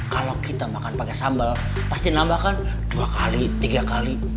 kalau kita makan pakai sambal pasti nambahkan dua kali tiga kali